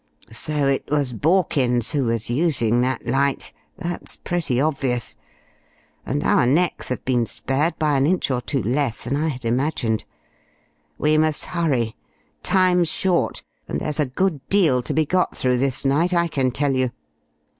So it was Borkins who was using that light, that's pretty obvious; and our necks have been spared by an inch or two less than I had imagined. We must hurry; time's short, and there's a good deal to be got through this night, I can tell you!"